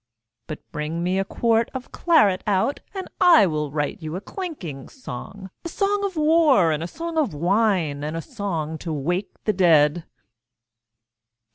But bring me a quart of claret out, And I will write you a clinking song, A song of war and a song of wine And a song to wake the dead.